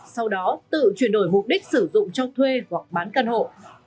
sau đó tự chuyển đổi mục đích sử dụng cho thuê hoặc bán căn hộ